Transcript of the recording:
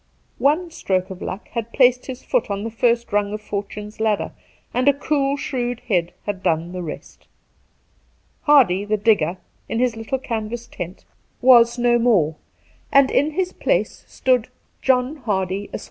One stroke of luck had placed his foot on the first rung of Fortune's ladder, and a cool shrewd head had done the rest. Hardy the digger, in his little canvas tent, was no 13—2 196 Two Christmas Days more, and in his place stood John Hardy, Esq.